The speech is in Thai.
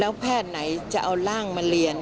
แล้วแพทย์ไหนจะเอาร่างมาเรียน